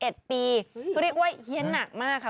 ก็เรียกว่าเฮียนหนักมากค่ะ